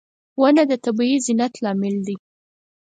• ونه د طبیعي زینت لامل دی.